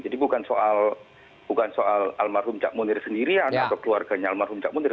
jadi bukan soal almarhum cak munir sendirian atau keluarganya almarhum cak munir